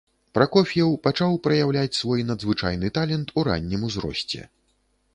Пракоф'еў пачаў праяўляць свой надзвычайны талент у раннім узросце.